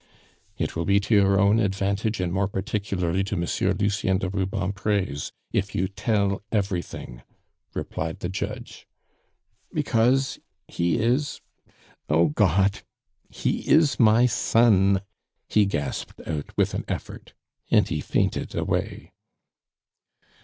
"It will be to your own advantage, and more particularly to Monsieur Lucien de Rubempre's, if you tell everything," replied the judge. "Because he is Oh, God! he is my son," he gasped out with an effort. And he fainted away.